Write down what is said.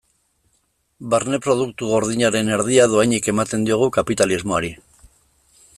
Barne Produktu Gordinaren erdia dohainik ematen diogu kapitalismoari.